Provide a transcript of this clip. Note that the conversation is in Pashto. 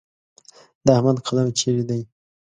د احمد قلم چیرې دی؟